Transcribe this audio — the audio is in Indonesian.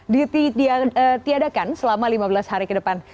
ditiadakan selama lima belas hari ke depan